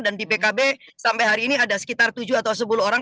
di pkb sampai hari ini ada sekitar tujuh atau sepuluh orang